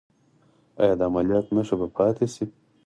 ایا د عملیات نښه به پاتې شي؟